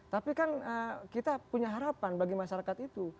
tapi kan kita punya harapan bagi masyarakat itu